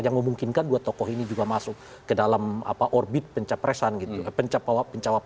yang memungkinkan dua tokoh ini juga masuk ke dalam orbit pencapresan gitu